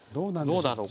どうだろうか。